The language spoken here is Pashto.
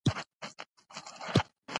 خوړل د کیلې نرموالی ښيي